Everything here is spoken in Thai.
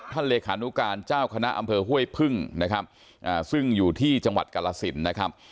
เลขานุการเจ้าคณะอำเภอห้วยพึ่งนะครับซึ่งอยู่ที่จังหวัดกาลสินนะครับ